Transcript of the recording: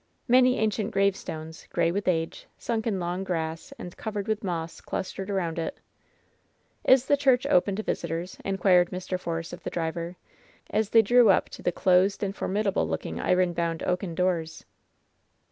Many ancient gravestones, gray with age, sunk in long grass and covered with moss, clustered around it. "Is the church open to visitors ?" inquired Mr. Force LOVE'S BITTEREST CUP 221 of the driver, as they drew up to the closed and f ormi dable lookino^, iron bound oaken doors.